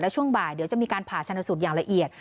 ช่วงบ่ายเดี๋ยวจะมีการผ่าชนสูตรอย่างละเอียด